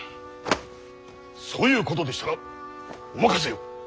そういうことでしたらお任せを！